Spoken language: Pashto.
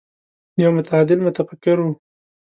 يو متعادل متفکر و.